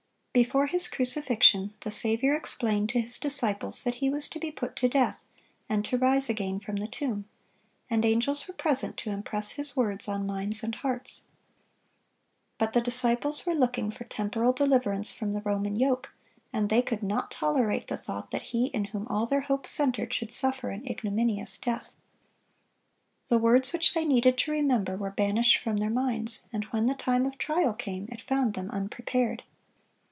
Before His crucifixion, the Saviour explained to His disciples that He was to be put to death, and to rise again from the tomb; and angels were present to impress His words on minds and hearts. But the disciples were looking for temporal deliverance from the Roman yoke, and they could not tolerate the thought that He in whom all their hopes centered should suffer an ignominious death. The words which they needed to remember were banished from their minds; and when the time of trial came, it found them unprepared.